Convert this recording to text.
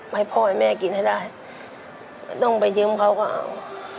ให้พ่อให้แม่กินให้ได้ไม่ต้องไปยืมเขาก็เอา